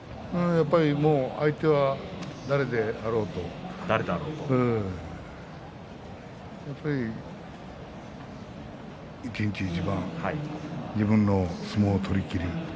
相手は誰であろうとやっぱり一日一番自分の相撲を取りきる。